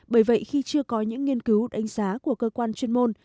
bởi vậy khi chưa có những nghiên cứu đánh giá của cơ quan chuyên môn